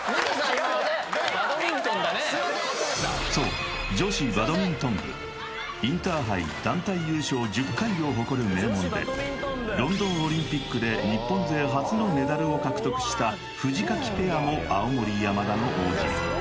今すいませんそう女子バドミントン部インターハイ団体優勝１０回を誇る名門でロンドンオリンピックで日本勢初のメダルを獲得したフジカキペアも青森山田のＯＧ